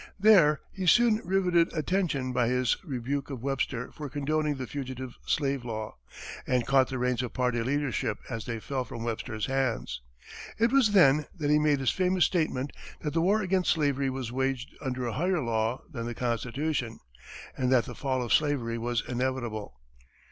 There he soon rivetted attention by his rebuke of Webster for condoning the Fugitive Slave Law, and caught the reins of party leadership as they fell from Webster's hands. It was then that he made his famous statement that the war against slavery was waged under a "higher law than the Constitution," and that the fall of slavery was inevitable.